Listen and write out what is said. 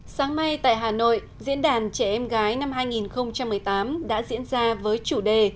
sáng nay tại hà nội diễn đàn trẻ em gái năm hai nghìn một mươi tám đã diễn ra với chủ đề